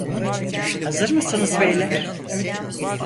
Hazır mısınız beyler?